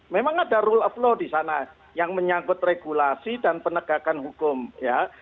memang ada rule of law di sana yang menyangkut regulasi dan penegakan hukum ya